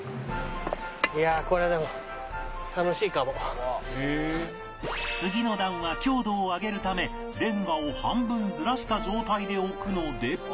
いやあこれはでも次の段は強度を上げるためレンガを半分ずらした状態で置くので